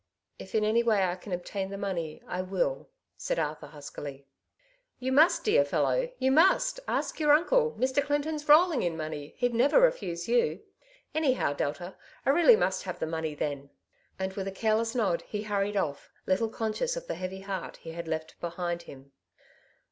'^ If in any way I can obtain the money I will," said Arthur huskily. '' You must, my dear fellow ! you must ! Ask your uncle. Mr. Clinton's rolling in money, he'd never refuse you. Anyhow, Delta, I really must have the money then." And with a careless nod he hurried off, little conscious of the heavy heart he had left behind him.